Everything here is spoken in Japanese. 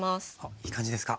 いい感じですか？